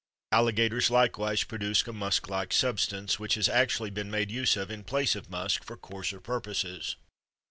Alligators likewise produce a musk like substance which has actually been made use of in place of musk for coarser purposes.